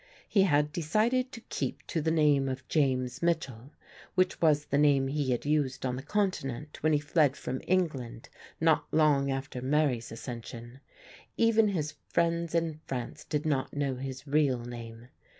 He had decided to keep to the name of James Mitchell, which was the name he had used on the Continent when he fled from England not long after Mary's accession. Even his friends in France did not know his real name.